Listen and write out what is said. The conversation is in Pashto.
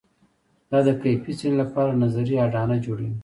دا د کیفي څېړنې لپاره نظري اډانه جوړوي.